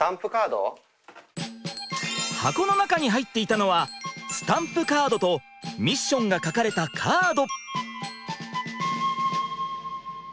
箱の中に入っていたのはスタンプカードとミッションが書かれたカード。